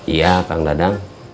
iya kang dadang